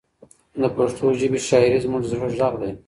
د پښتو ژبې شاعري زموږ د زړه غږ دی.